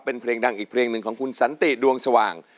เป็นเพลงดังอีกเพลงหนึ่งของคุณสันติดวงสว่าง